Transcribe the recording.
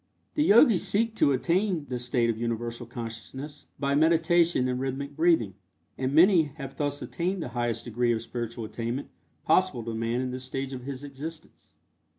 The Yogis seek to attain this state of Universal Consciousness by meditation and rhythmic breathing, and many have thus attained the highest degree of spiritual attainment possible to man in this stage of his existence.